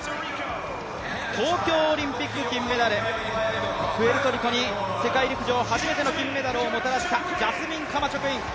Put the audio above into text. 東京オリンピック金メダル、プエルトリコに世界陸上初めての金メダルをもたらしたジャスミン・カマチョクイン。